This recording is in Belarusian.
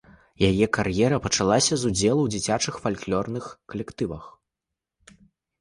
Яе кар'ера пачалася з удзелу ў дзіцячых фальклорных калектывах.